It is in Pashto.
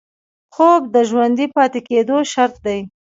خوب د ژوندي پاتې کېدو شرط دی